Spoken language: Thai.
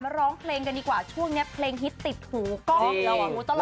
ร้องเพลงกันดีกว่าช่วงนี้เพลงฮิตติดหูกล้องหูตลอด